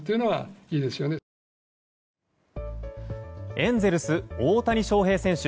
エンゼルス、大谷翔平選手